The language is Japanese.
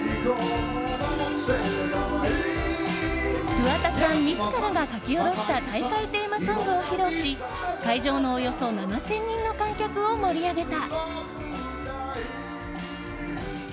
桑田さん自らが書き下ろした大会テーマソングを披露し会場のおよそ７０００人の観客を盛り上げた。